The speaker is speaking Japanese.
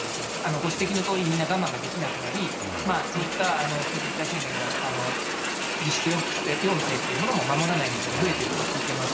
ご指摘のとおり、みんな我慢ができなくなり、そういった緊急事態宣言の自粛要請っていうものも守らない店も増えていると聞いています。